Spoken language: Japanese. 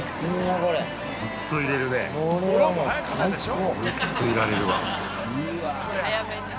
◆ずっといられるわ。